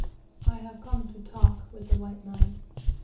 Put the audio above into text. "I have come to talk with the white man.